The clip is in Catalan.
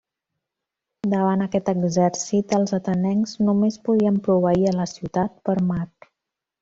Davant aquest exèrcit, els atenencs només podien proveir a la ciutat per mar.